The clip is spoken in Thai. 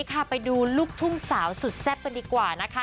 ค่ะไปดูลูกทุ่งสาวสุดแซ่บกันดีกว่านะคะ